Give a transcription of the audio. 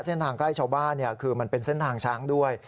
เส้นทางใกล้ชาวบ้านคือมันเป็นเส้นทางช้างด้วย